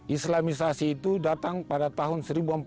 islamisasi itu datang pada tahun seribu empat ratus empat puluh